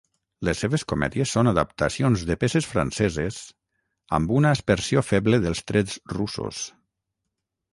Les seves comèdies són adaptacions de peces franceses, amb una aspersió feble dels trets russos.